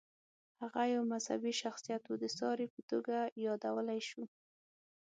هغه یو مذهبي شخصیت و، د ساري په توګه یادولی شو.